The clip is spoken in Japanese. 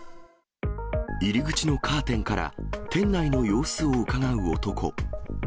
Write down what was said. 入り口のカーテンから、店内の様子をうかがう男。